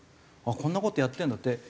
こんな事やってるんだって。